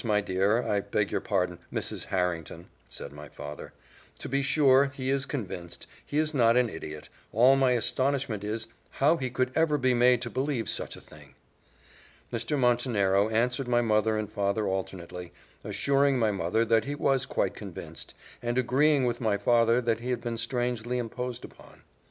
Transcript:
my dear, I beg your pardon, Mrs. Harrington," said my father, "to be sure he is convinced, he is not an idiot all my astonishment is, how he could ever be made to believe such a thing!" Mr. Montenero answered my mother and my father alternately, assuring my mother that he was quite convinced, and agreeing with my father that he had been strangely imposed upon.